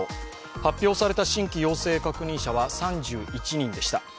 発表された新規陽性確認者は３１人でした。